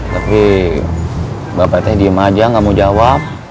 tapi bapak teh diem aja gak mau jawab